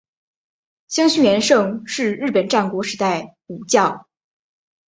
香西元盛是日本战国时代武将。